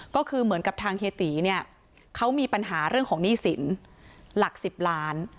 ก็คือเหมือนกับทางเฮียตีเนี่ยเขามีปัญหาเรื่องของหนี้สินหลัก๑๐ล้าน